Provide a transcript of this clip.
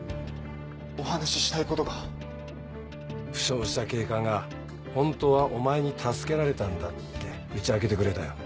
お話ししたいこと負傷した警官がホントはお前に助けられたんだって打ち明けてくれたよ。